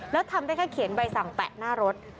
แล้วทำได้แค่เขียนใบสั่งแปะหน้ารถ